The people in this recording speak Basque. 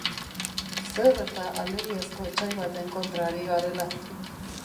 Zer eta alegiazko etsai baten kontra ari garela.